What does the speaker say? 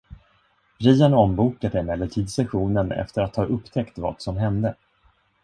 Brian ombokade emellertid sessionen efter att ha upptäckt vad som hände.